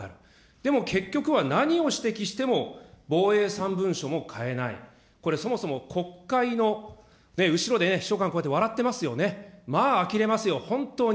でも結局は何を指摘しても、防衛３文書も変えない、これそもそも国会の後ろで秘書官こうやって笑ってますよね、まあ、あきれますよ、本当に。